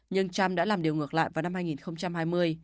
nhưng trump đã làm điều ngược lại vào năm hai nghìn hai mươi